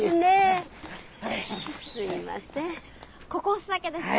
ここ押すだけですから。